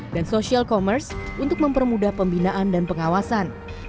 dan social commerce untuk mempermudah pembinaan dan pengawasan